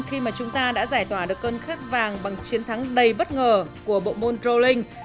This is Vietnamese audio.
khi mà chúng ta đã giải tỏa được cơn khát vàng bằng chiến thắng đầy bất ngờ của bộ môn droling